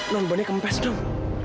non bonnya kempes dong